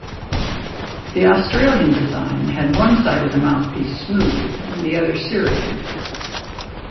The Australian design had one side of the mouthpiece smooth and the other serrated.